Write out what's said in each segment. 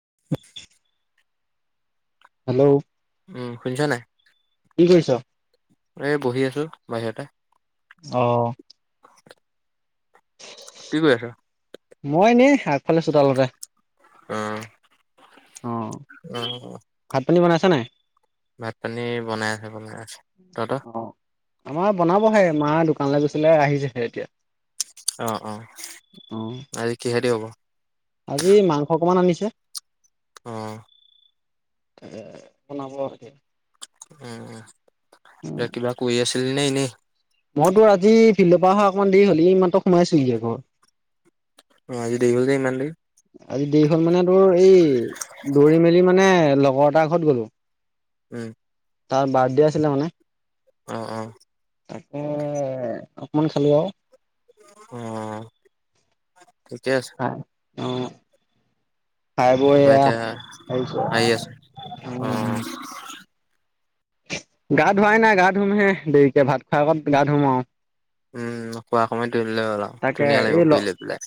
[inaudible] Hello. উম শুনিছা নাই কি কৰিছ? এ বহি আছোঁ বাহিৰতে। অহ। [inaudible] কি কৰি আছ মই নি আগফালে চোতালতে আহ অ', আহ [unintelligible] বনাইছা নাই ভাত পানী বনাই আছে বনাই আছে তহত অ', আমাৰ বনাবহে মা দোকানলৈ গৈছিলে আহিছেহে এতিয়া। অ' অ', অ'। আজি কিহেদি হব? আজি মাংস অকমান আনিছে। অ'। [unintelligible] উম এ কিবা কৰি আছিল নাই ন। মইতোৰ আজি ফিল্ডৰ পৰা অহা অকণমান দেৰি হ'লি ইমানতো সোমাইছোহি ঘৰ। অ' আজি দেৰি [unintelligible] মান আজি [unintelligible] মানে তোৰ এই দৌৰি মেলি মানে লগৰ এটাৰ ঘৰত গ'লো উম তাৰ বাৰ্থডে আছিলে মানে অ অ তাকে [unintelligible] খালেও অ ঠিকে আছে আহ তাৰপা এতিয়া আহি [unintelligible] আছো অ উ গা ধুৱাই নাই গা ধুমহে দেৰিকে ভাত খোৱাৰ আগত গা ধুম আৰু। উম খোৱা কমাই [unintelligible] ধুনীয়া লাগিব শুই লৈ পেলাই।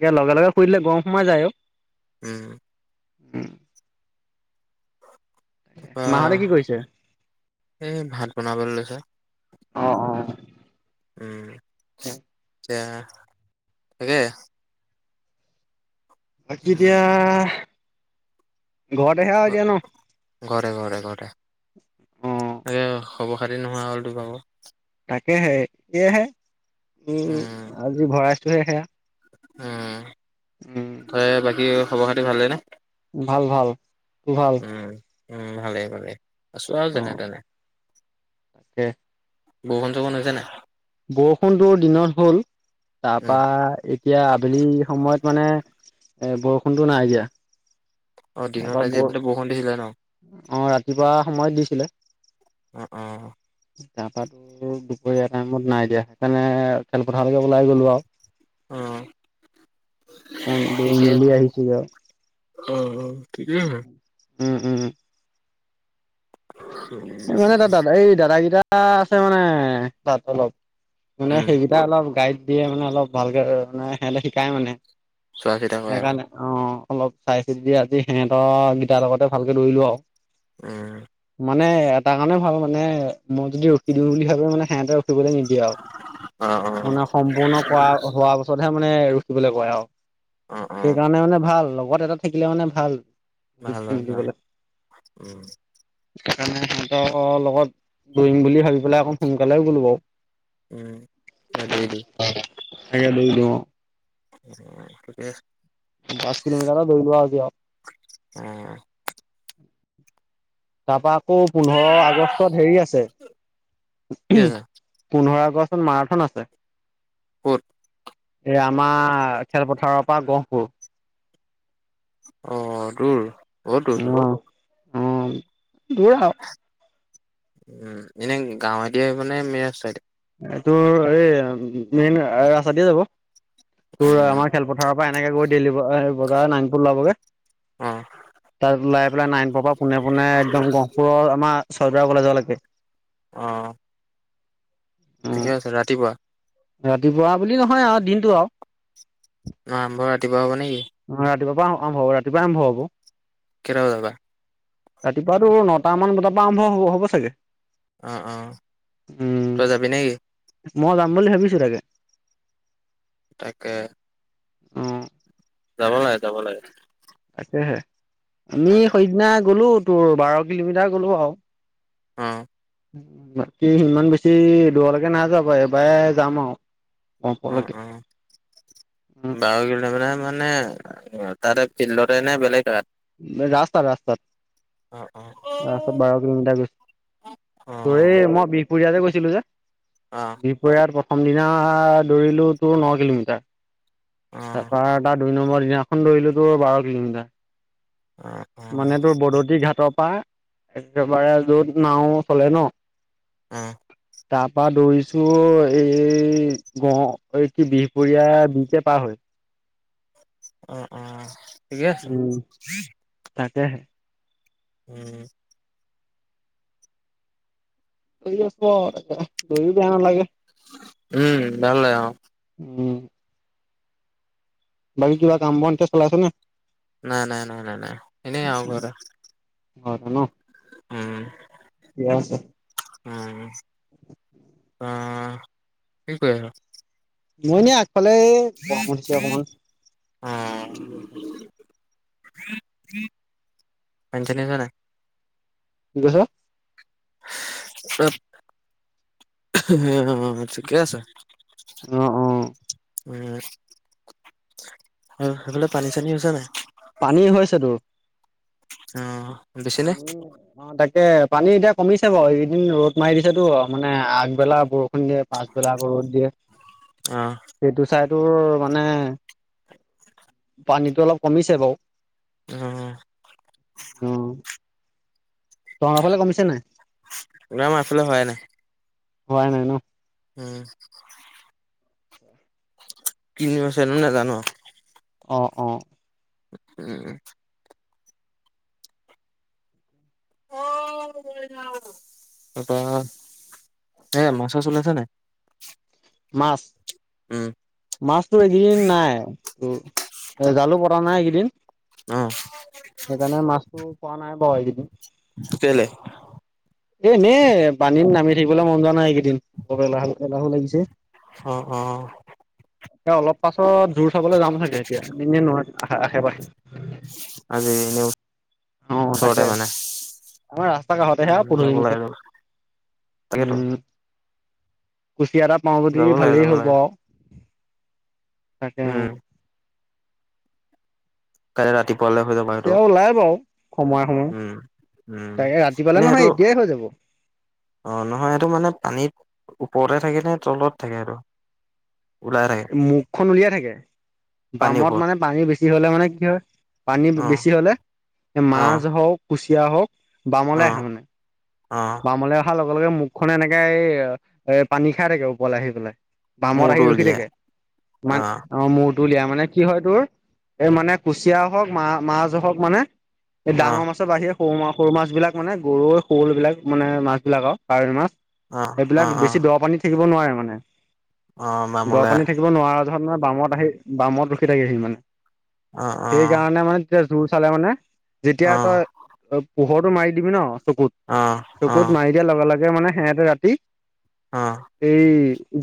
এতিয়া লগে লগে শুই দিলে গৰম সোমাই যায় আৰু। উম। উম। মাহতে কি কৰিছে? এ ভাত বনাবলৈ লৈছো। অ অ উম আচ [inaudible] বাকী এতিয়া ঘৰতেহে আৰু এতিয়া ন ঘৰে ঘৰে ঘৰে অ [inaudible] খবৰ খাতি নোহোৱা হ'লতো পা তাকেহে সয়েহে উম আজি ভৰাইছোহে সেয়া। [unintelligible] উম বাকী খবৰ-খাতি ভালেই নে? ভাল ভাল, তোৰ ভাল? উম, উম ভালেই ভালেই আছো আৰু অ যেনে তেনে। তাকে। [unintelligible] য মানহ জানে। বৰষুণটোৰ দিনত হ'ল। তাৰ উম, পৰা এতিয়া আবেলি সময়ত মানে এ বৰষুণতটো নাই অ', দিয়া। দিনত আজি এইফালে বৰষুণ দিছিলে ন? তাৰপৰা [unintelligible] ৰাতিপুৱা সময় দিছিলে। উ উম। তাৰ পৰাতো দুপৰীয়া টাইমত নাই দিয়া, সেইকাৰণে খেলপথাৰলৈকে ওলাই গ'লো আৰু। অ', অ' গৈ ঠিকে মিলি আহিছো যাও। অ' অ' ঠিকেইছে ন? উম উম উম। মানে তাত দাদা এই দাদাকেইটা আছে মানে তাত অলপ মানে উম, সেইকেইটা অলপ গাইড দিয়ে মানে অলপ ভালকে মানে সিহঁলে শিকাই মানে। চোৱা চিতা কৰে আৰু সেইকাৰণে অ'। অলপ চাই চি দি আজি সিহঁতৰ গিটাৰ লগতে ভালকে দৌৰিলো আৰু। উম। মানে এটা কাৰণে ভাল মানে মই যদি ৰখি দিওঁ বুলি ভাবে মানে সিহতে নিদিয়ে আৰু, অ', অ', মানে সম্পূৰ্ণ কৰা হ পিছতহে মানে থিকিবলৈ কয় আৰু, অ', অ', সেইকাৰণে মানে ভাল লগত এটা থাকিলে মানে ভাল। ভাল ভাল মিলিবলে। ভাল উম। সেইকাৰণে সিহতৰ লগত ডং বুলি ভাবি পেলাই অকণ সোনকালে গ'লো বাৰু। উম নদবৰি। [unintelligible] [unintelligible] দহ কিলোমিটাৰ এটা দৰিলো আজি অ'। আৰু। তাৰপা আকৌ, পোন্ধৰ আগষ্টত হেৰি আছে, কি আছে পোন্ধৰ [unintelligible] মাৰাথন আছে। ঘোট এ আমাৰ খেলপথাৰৰ পৰা গহপুৰ। আহ দূৰ বহুত দূৰ। উম দূৰা উ এনে গাঁৱ এ দ আহ মানে মিৰা চ এ তোৰ এই মেইন ৰাস্তা দিয়ে যাব, তোৰ উম, আমাৰ খেলপথাৰ এনেকে গৈ, দেইলি ব বজাৰ নাংটো উলাবগে। অ'। তাত উলাই, পেলাই নাইনপুৰৰ পৰা পোনে, পোনে একদম গহপুৰৰ আমাৰ ছয়দুৱাৰ কলেজ লেকে। অ'। উম, ঠিকে আছে, ৰাতিপুৱা। ৰাতিপুৱা বুলি নহয়, আৰু দিনটো আৰু। আৰম্ভ ৰাতিৰপা হ'ব নেকি? অ', ৰাতিপুৱা পৰা আৰম্ভ হ'ব, ৰাতিপুৱা আৰম্ভ হ'ব। কেইটা বজাৰ পৰা? ৰাতিপুৱাতো নটামান বজাৰ পৰা আৰম্ভ হ'ব, হ'ব চাগে। অ', অ', উম তই যাবি নেকি? মই যাম বুলি ভাবিছো তাকে। তাকে। উম। যাবলাগে, যাবলাগে। তাকেহে, আমি সেইদিনা গ'লো তোৰ বাৰ কিলোমিটাৰ গ'লো আৰু। উম। বাকী, ইমান বেছি দূৰলৈকে নাই যোৱা বাৰু এইবাৰে যাম আৰু। অ', গহপুৰলৈকে উম, অ', বাৰ [unintelligible] মানে অ', তাতে ফিল্ডতে নে বেলেগ জেগাত। ৰাস্তাত, অ', অ', অ', ৰাস্তাত। ৰাস্তাত বাৰ কিলোমিটাৰ গৈছোঁ। তোৰ হেই মই বিহ পুৰীয়া যে গৈছিলোঁ যে, অ', অ', বিহপুৰীয়াত প্ৰথম দিনা দৌৰিলো তোৰ ন কিলোমিটাৰ। অ', তাৰপৰা এটা দুই নম্বৰ দিনাখন দৌৰিলো তোৰ বাৰ কিলোমিটাৰ। অ', মানে তোৰ বদতি ঘাটৰ পৰা একেবাৰে য'ত নাও চলে ন। উম। তাৰপৰা দৌৰিছো, এই গহ এই কি বিহপুৰীয়া এ বিহপুৰীয়া পাৰ হৈ। উম, উম, ঠিকে আছে। তাকেহে। [inaudible] দৌৰি আছ, দৌৰি বেয়া নালাগে। উম, ভাল লাগে অ'। উম। বাকী কিবা কাম বন এতিয়া চলাইছ নে। নাই-নাই-নাই-নাই-নাই, এনেই ঘৰত ঘ ন' [unintelligible] [unintelligible] উম, অ', কি কৰি আছ মইনে আগফালে গৰম উঠছ অকমান পঞ্চ নিিশ ন গহ ঠিকে আছে অ অ উ আৰু সেইফালে পানী চানী হৈছে নাই পানী হৈছে তোৰ। অ'। বেছি নে পানী অ', তাকে। পানী এতিয়া কমিছে বাৰু, এইকেইদিন ৰ'দ মাৰি দিছে তোৰ মানে, আগবেলা বৰ দিয়ে পাছবেলা আকৌ ৰ'দ দিয়ে, অ', সেইটো চাইড ত মানে পানীটো অলপ কমিছে বাৰু। অহ, টঙাৰ ফালে কমিছে নাই গ্ৰাম আচল হয় ন হোৱাইই নাই ন উম কিনিবছ ন নে জানো অ অ উম উম তপৰা এ মাছাছ ওলাইছে নাই মাছ উম, মাছতটো এদিন নাই এ জালো পৰা নাই এইকেইদিন উম সেইকাৰণে মাছটো পোৱা নাই বাৰু এইকেইদিন কেলে এনে পানীত নামি থাকিবলৈ মন যোৱা নাই এইকেই দ লাহ লাহো লাগিছে অ', অ', এ অলপ পাছত জোৰ চাবলৈ যাম চাগে এতিয়া এনে নোৱাৰ আশে পাশে আজি এনে অ ওচৰতে তাকে মানে আমাৰ ৰাস্তা কাষতে সেয়া উম, যাব লাগে যাব তাকেতো উম কুচিয়া এটা পাওঁ বুলি যাব লাগে ভালেই যাব হ'ব লাগে আৰু তাকে অ উম, কাল ৰাতি কুচিয়া ওলাই বাৰু সময়ে সময়ে উম উম তাকে ৰাতি পালে এনেই নহয় আৰুটো এতিয়াই হৈ যাব অ নহয় এইটো মানে পানীত ওপৰতে থাকে নে তলত থাকে এই মুখখন উলিয়াই থাকে পানীৰ বামত ওপৰত মানে পানী বেছি হলে মানে কি হয় পানী অ', বেছি হলে মাছ অ', হওক কুচিয়া হওক বামলে আহে অ', মানে অ', বামলৈ অহাৰ লগে লগে মুখ খনে এনেকে এই এ পানী খাই থাকে ওপৰলৈ আহি পেলাই বামত আহি মূৰটো ৰখি উলিয়াই থাকে ইমান অ মোৰ তলিয়া মানে কি হয় তোৰ এই মানে কুচিয়া হওক মা মাছ হওক মানে এই ডাঙৰ অ', মাছৰ বাহিৰে সৰু মা সৰু মাছ বিলাক মানে গৰৈ শ'ল বিলাক মানে মাছ বিলাক আৰু কাৱৈী মাছ অ', এইবিলাক অ', বেছি অ', দৰ পানী থাকিব নোৱাৰে মানে অ', দৰ বামলৈ পানী থাকিব নোৱাৰা ত মানে বামত আহি বামত ৰখি থাকিহি মানে অ', অ', সেইকাৰণে মানে তেতিয়া জোৰ চালে মানে যেতিয়া অ', তই অ', অ পোহৰটো মাৰি দিবি ন চকুত অ চকুত মাৰি দিয়া লগে লগে মানে সিহঁতে ৰাতি অ', এই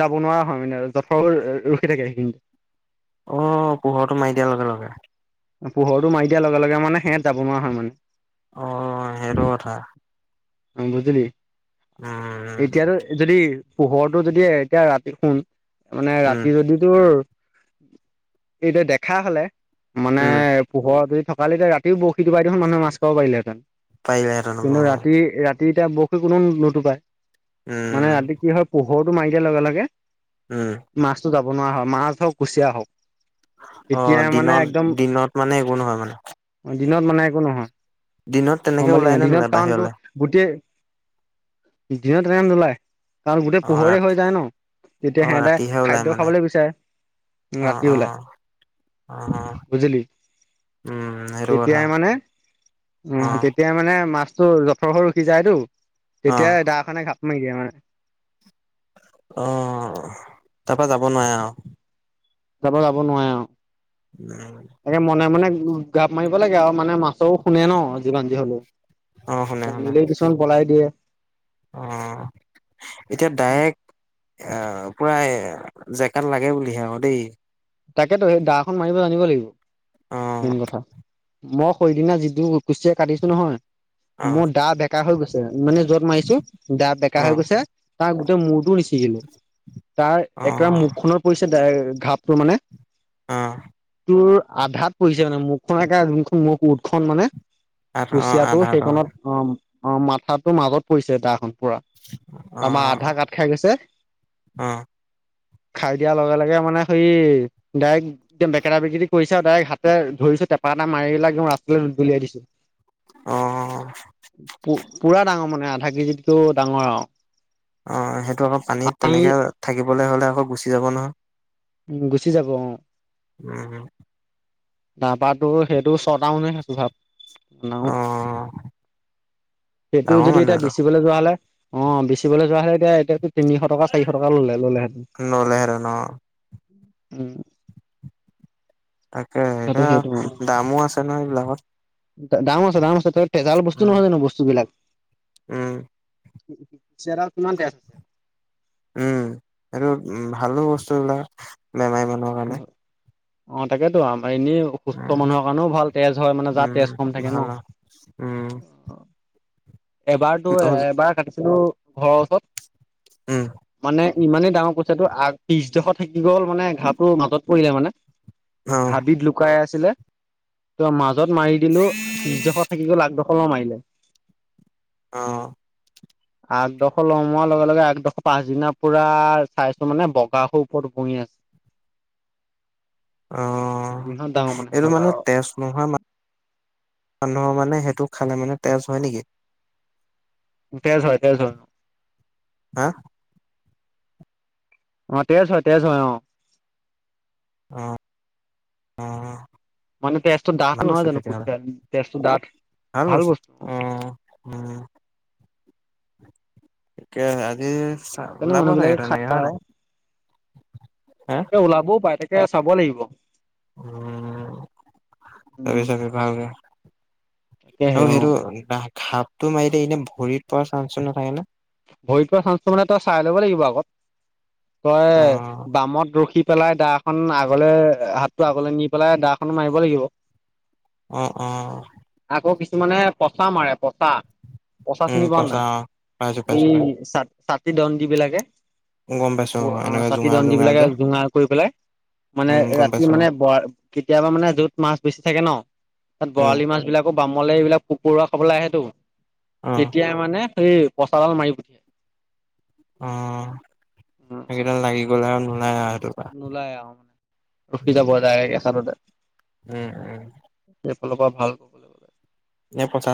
যাব নোৱাৰা হয় মানে আৰু যথৰ ৰখি থাকে সেইখিনিতে অ পোহৰটো মাৰি দিয়াৰ লগে লগে পোহৰটো মাৰি দিয়াৰ লগে লগে মানে সেহঁত যাব নোৱাৰা হয় মানে অ সেইটো কথা অ বুজিলি উম, এতিয়া আৰু যদি পোহৰটো যদি এতিয়া ৰাতি শুন মানে উম, ৰাতি যদি তোৰ এইটো দেখা হলে মানে উম, পোহৰ দুইত থকা হ'লে ৰাতিও বৰশী টো বাই দে মানুহে মাছ খাব পাৰিলে হয় পাৰিলেহেতেন ৰাতি এতিয়া বৰশী কোনো নুতুপাই মানে উম, ৰাতি কি হয় পোহৰটো মাৰি দিয়াৰ লগে লগে উম, মাছতো যাব নোৱাৰা হয় মাছ ধৰক কুচিয়া হওক অ তেতিয়াই মানে দিনত একদম দিনত মানে একো নহয় মানে দিনত মানে একো নহয় দিনত গম তেনেকে পালি ওলাই নাই নে দিনত নলে কাৰণতো বাহিৰলৈ গোটেই দিনত ৰাম নলাই কাৰণ গোটেই অ', পোহৰে ৰাতি হৈ যায় ন তেতিয়া অ', সিহঁতে ৰাতিহে ওলাই খাদ্য মানে খাবলৈ বিচাৰে অ ৰাতি অ ওলাই অ বুজিলি উম সেইটো কথা তেতিয়াই মানে উ অ', তেতিয়া মানে মাছ জথৰ স ৰখি যায় টো অ', তেতিয়া দা খনে ঘাপ মাৰি দিয়ে মানে অহ তাৰ পৰা যাব নোৱাৰে আৰু যাব যাব নোৱাৰে আৰু আৰু তাকে মনে মনে গাপ মাৰি লাগে আৰু মানে মাছৰ শুনে ন যিমান যি হলেও অ শুনে শুনে কনিলেই কিছুমান পলাই দিয়ে অ এতিয়া ডাইৰেক্ট আহ পুৰা জেকাত লাগে বুলিহে অ দেই তাকেতো সেই দাখন মাৰিব জানিব লাগিব অ মেইন কথা মই সেইদিনা যিটো কুচিয়া কাটিছো নহয় [inaudible] মোৰ দা বেকা হৈ গৈছে মানে যত মাৰিছো দা অ বেকা হৈ গৈছে তাৰ গোটেই মূৰটো নিচি গিলো তাৰ অ একটা মুখ খত পৰিছে ঘাপটোৰ মানে আহ তোৰ আধাত পৰিছে মানে মুখখননেে যোনখন মুখ উঠখনন মানে আঠ অ কুচিয়াটোৰ আধাত সেইখনত অ অ মাথাটোৰ মাজত পৰিছে তাখনন পুৰা অ আমাৰ আধাৰ কাৰ্ড খাই গৈছে অ খাই দিয়াৰ লগে লগে মানে সে ডাইৰেক্ট একম বেকেটা বেকেট কৰিছে আৰু ডাইৰেক্ট হাতে ধৰিছো টেপা এটা মাৰি পিলাক একম ৰাস্তালৈ দলিয়াই দিছো অ পুৰা ডাঙৰ মানে আধা কেজিতকেও ডাঙৰ আৰু অ সেইটো আকৌ পানীত আমি তেনেকে থাকিবলৈ হ'লে আকৌ গুচি যাব নহয় উম গুচি যাব অ উম তাৰপৰাটো সেইটো ছটাওনেছো ভাব অ সেইটো ডাঙৰ যদি মানুহ এতিয়া বিচিবলৈ যোৱা হ'লে অ বেচিবলৈ যোৱা হলে এতিয়া এতিয়াতো তিনিশ টকা চাৰিশ টকা ললে ল'লেহেতেন আৰু ললেহেঁতেন অ উম তাকে সেইটো এয়া সেইটো মানে দামো আছে নহ এইবিলাকত দাম আ দাম আছে ত তেজাল বস্তু উম নহয় জানো বস্তু বিলাক উম পিছে এটাত কিমানকে উম এইটো উ ভালো বস্তুবিলাক বেমাৰী মানুহৰ কাৰণে অ, তাকেই তো এনেই সুস্থ উম, মানুহৰ কাৰণেও ভাল তেজ হয়, মানে যাৰ তেজ কম উম, থাকে ভাল ন'। [inaudible] এবাৰতো এবাৰ কাটিছিলো ঘৰৰ ওচৰত। উম, মানে ইমানেই ডাঙৰ কইছ সেইটো আগ পিছ দখৰ থাকি গ'ল মানে ঘাঁপটো মাজত পৰিলে মানে অ', হাবিত লুকাই আছে আছিলে, মাজত মাৰি দিলো পিছদখৰ থাকি গ'ল আগদখৰ লৰ মাৰিলে। অ', আঠডোখৰ লমোৱাৰ লগে লগে আঠডোখৰ পাছদিনাাৰ পুৰা চাইছো মানে বগা সো ওপৰত বহি আছে [inaudible] অ ইহঁত ডাঙৰ এইটো মানে সিহঁতৰ তেজ নোহোৱা মানুহক মানে সেইটো খালে মানে তেজ হয় নেকি তেজ হয় তেজ হয় হা অ তেজ হয় তেজ অ অ অ মানুহ তেজটো দাঠ ভাল নহয় বস্তু জানো তেতিয়াহ'লে তেজটো দাঠ ভাল বস্তু অ', উম'। এ আজি সেইকাৰণে ওলাব মানুহ লাগে বিলাকে খাই তেনেকে হয় নাই হা তাকে ওলাবয়ো পাই তাকে চাব লাগিব। উ' তাকে উম চাগে ভালেকে তাকেহে আৰু অ সেইটো ঘাপটো মাৰিলে এনে ভৰিত পৰাৰ চাঞ্চটো নাথাকেনে? ভৰিত পৰা চাঞ্চটো মানে তই চাই ল'ব লাগিব আগত অ', তই বামত ৰখি পেলাই দা খন আগলে হাতটো আগলে নি পেলাই দাখনো মাৰিব লাগিব। অহ, অহ, আকৌ কিছুমানে পচা মাৰে পচা। পচা উম, চিনি পোৱা পচা নাই অ, পাইচো। এই চ ছাতি দণদি বিলাকে, গম পাইছো অ এনেকে চাতি জোঙাল দন্দ জোঙাল বিলাকে যে জোঙাৰ কৰি পেলাই, মানে উম গম ৰাতি পাইছো অ মানে কেতিয়াবা মানে যত মাছ বেছি থাকে ন। তাত উম বৰালি মাছ বিলাকো বামলে এইবিলাক পোক পৰুৱা খাবলৈ আহেতো। অ তেতিয়া মানে সেই, পচাডাল মাৰি পঠিয়াই। অ, সেইকেইদাল লাগি গ'লে আৰু নোলাই আৰু। সেইটোৰ পৰা নোলাই আৰু মানে ৰখি উম যাব উম উম এচাততে। ফালৰ পৰা ভাল। এই পচা